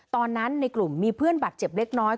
ตอนนั้นในกลุ่มมีเพื่อนบัตรเจ็บเล็กน้อย